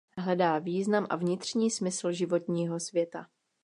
Hledá význam a vnitřní smysl životního světa.